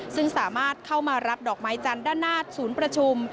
ซึ่งสามารถเข้ามารับดอกไม้จันทร์ด้านหน้าศูนย์ประชุม